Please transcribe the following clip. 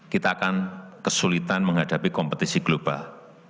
kita akan kesulitan menghadapi kompetisi global